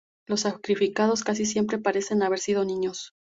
Los sacrificados casi siempre parecen haber sido niños.